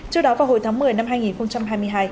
trước đó vào hồi tháng một mươi năm hai nghìn hai mươi hai